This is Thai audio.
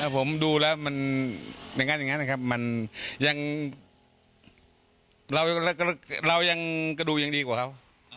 ผมดูแล้วมันยังเรายังกระดูกยังดีกว่าเขา